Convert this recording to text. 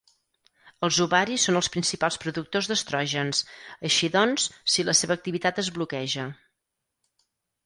Els ovaris són els principals productors d'estrògens, així doncs, si la seva activitat es bloqueja.